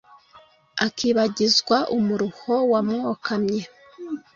Akibagizwa umuruho wamwokamye